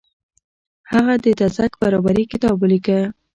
هغه د تزک بابري کتاب ولیکه.